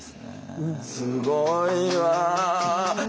すごいわ！